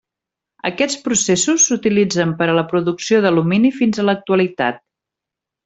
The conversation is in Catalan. Aquests processos s’utilitzen per a la producció d’alumini fins a l'actualitat.